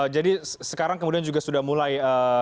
jadi sekarang kemudian juga sudah mulai